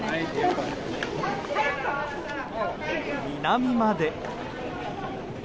南まで。